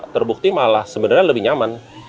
terbukti malah sebenarnya lebih nyaman